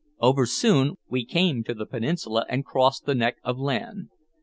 Oversoon we came to the peninsula, and crossed the neck of land.